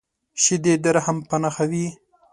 شیدې د رحم په نښه وي